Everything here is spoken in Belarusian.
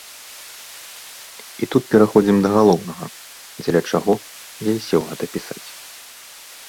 І тут пераходзім да галоўнага, дзеля чаго я і сеў гэта пісаць.